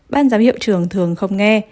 ban giám hiệu trưởng thường không nghe